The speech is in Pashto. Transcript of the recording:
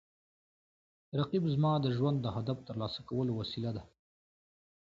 رقیب زما د ژوند د هدف ترلاسه کولو وسیله ده